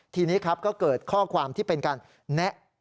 ทีนี้ครับก็เกิดข้อความที่เป็นการแนะ